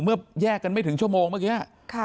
แยกกันไม่ถึงชั่วโมงเมื่อกี้